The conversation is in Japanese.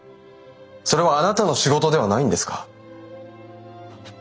それはあなたの仕事ではないんですか？